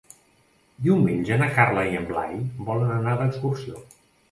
Diumenge na Carla i en Blai volen anar d'excursió.